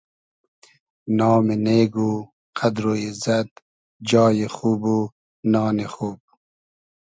نامی نېگ و قئدر و ایززئد جای خوب و نانی خوب